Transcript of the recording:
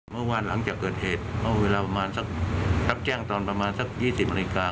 เมื่อวานหลังจากเกิดเหตุเวลารับแจ้งตอนประมาณสัก๒๐มิลลิกราศ